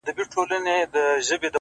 ماته به بله موضوع پاته نه وي ـ